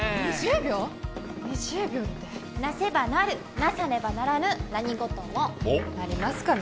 ２０秒ってなせばなるなさねばならぬ何事もなりますかね